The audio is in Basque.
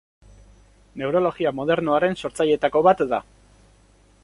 Neurologia modernoaren sortzaileetako bat da.